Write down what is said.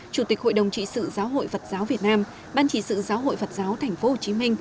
chủ tịch hội đồng trị sự giáo hội phật giáo việt nam ban trị sự giáo hội phật giáo tp hcm